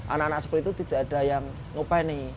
anak anak spr itu tidak ada yang openi